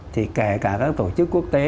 thì kể cả các tổ chức quốc tế